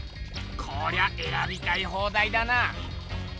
こりゃえらびたい放題だな！